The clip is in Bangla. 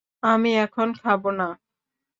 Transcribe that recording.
আমি এখন খাব না!